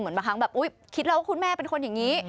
เหมือนบางครั้งคิดแล้วว่าคุณแม่เป็นคนอย่างนี้